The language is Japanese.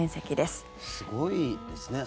すごいですね。